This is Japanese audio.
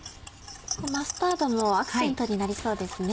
マスタードのアクセントになりそうですね。